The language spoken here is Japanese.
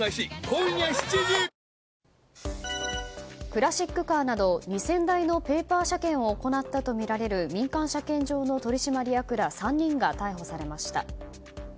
クラシックカーなど２０００台のペーパー車検を行ったとみられる民間車検場の取締役ら３人が逮捕されました。